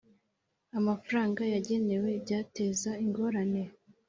amafaranga yagenewe ibyateza ingorane